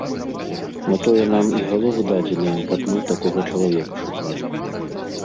На тое нам і галовы дадзеныя, каб мы такога чалавека шукалі.